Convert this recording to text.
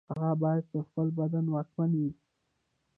هغه باید پر خپل بدن واکمن وي.